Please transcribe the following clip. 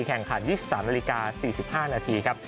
แข่งขัน๒๓นาฬิกา๔๕นาทีครับ